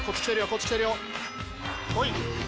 こっち来てるよ